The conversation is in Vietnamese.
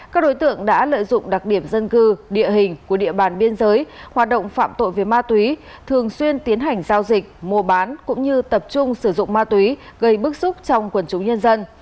các đối tượng đã lợi dụng đặc điểm dân cư địa hình của địa bàn biên giới hoạt động phạm tội về ma túy thường xuyên tiến hành giao dịch mua bán cũng như tập trung sử dụng ma túy gây bức xúc trong quần chúng nhân dân